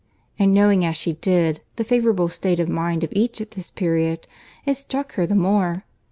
—And knowing, as she did, the favourable state of mind of each at this period, it struck her the more.